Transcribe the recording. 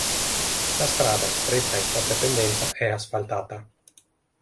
La strada, stretta e in forte pendenza, è asfaltata.